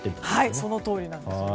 そのとおりです。